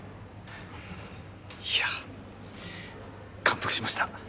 いや感服しました。